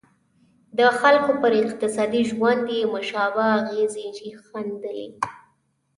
د خلکو پر اقتصادي ژوند یې مشابه اغېزې ښندلې.